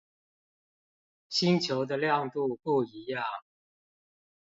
星球的亮度不一樣